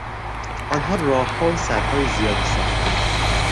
آنها راهها و سدهای زیادی ساختند.